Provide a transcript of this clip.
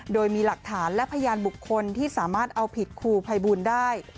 โดยมีหลักฐานและพยานบุคคลที่สามารถเอาผิดครูภัยบูลได้